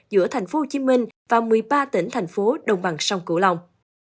giữa tp hcm và một mươi ba tỉnh thành phố đồng bằng sông cửu long